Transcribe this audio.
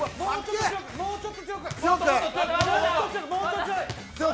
もうちょっと強く。